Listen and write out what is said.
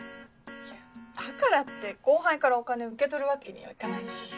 いやだからって後輩からお金を受け取るわけにはいかないし。